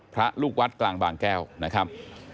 พระลูกวัดกลางบางแก้วนะครับ